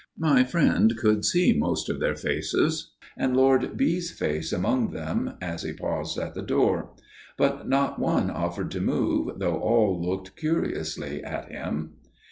My friend could see most of their faces, and Lord B.'s face among them, as he paused at the door; but not one offered to move, though all looked curiously at him.